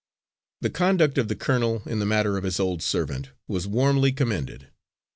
The conduct of the colonel in the matter of his old servant was warmly commended.